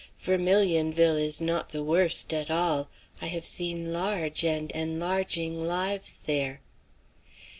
Vermilionville is not the worst, at all. I have seen large, and enlarging, lives there.